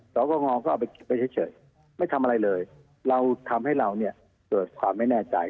เราก็งอกก็เอาไปกินไปเฉยไม่ทำอะไรเลยเราทำให้เราเนี่ยเสิร์ชความไม่แน่ใจ